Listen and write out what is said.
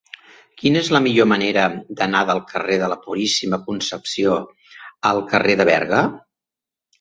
Quina és la millor manera d'anar del carrer de la Puríssima Concepció al carrer de Berga?